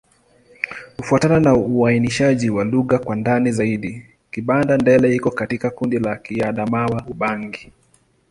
Kufuatana na uainishaji wa lugha kwa ndani zaidi, Kibanda-Ndele iko katika kundi la Kiadamawa-Ubangi.